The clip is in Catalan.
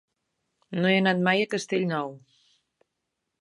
No he anat mai a Castellnou.